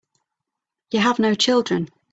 You have no children.